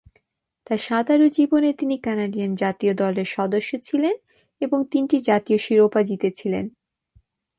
তার সাঁতারু জীবনে তিনি কানাডিয়ান জাতীয় দলের সদস্য ছিলেন এবং তিনটি জাতীয় শিরোপা জিতেছিলেন।